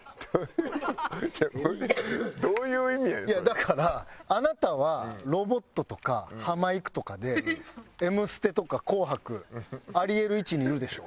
だからあなたは『ロボット』とかハマいくとかで『Ｍステ』とか『紅白』あり得る位置にいるでしょ？